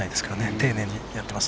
丁寧にやってます。